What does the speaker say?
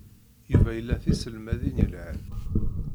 Yuba ila tiselmadin yelhan.